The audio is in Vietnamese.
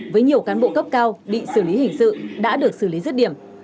với nhiều cán bộ cấp cao bị xử lý hình sự đã được xử lý rứt điểm